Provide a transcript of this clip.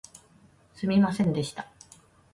すみませんでした